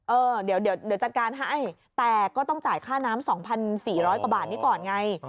เออเดี๋ยวจัดการให้แต่ก็ต้องจ่ายค่าน้ำ๒๔๐๐กว่าบาทนี้ก่อนไง